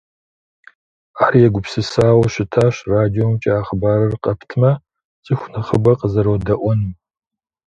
Ар егупсысауэ щытащ радиомкӏэ а хъыбарыр къэптмэ, цӏыху нэхъыбэ къызэродэӏуэнум.